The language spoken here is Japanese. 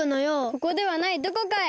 ここではないどこかへ！